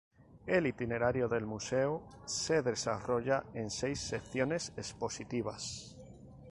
El itinerario del museo se desarrolla en seis secciones expositivas.